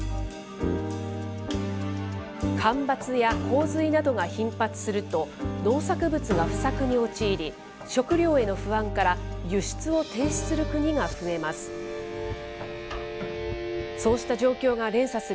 干ばつや洪水などが頻発すると、農作物が不作に陥り、食料への不安から、輸出を停止する国が増えます。